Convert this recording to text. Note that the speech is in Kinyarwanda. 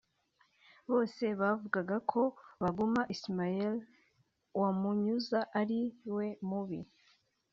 bose bavugaga ko Baguma Ismael wa Munyuza ari we mubi